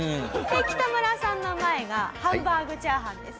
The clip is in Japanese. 北村さんの前がハンバーグチャーハンです。